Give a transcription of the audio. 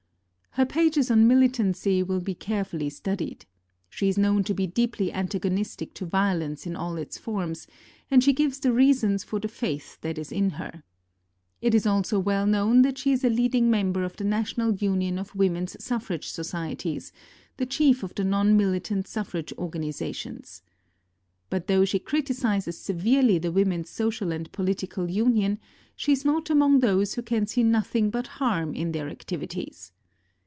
Her pages on militancy will be carefully studied. She is known to be deeply antagonistic to violence in all its forms, and she gives the reasons for the faith that is in her. It is also well known that she is a leading member of the National Union of Women's Suffrage Societies, the chief of the non militant suffrage organisations. But though she criticises severely the Women's Social and Political Union, she is not among those who can see nothing but harm in their activities.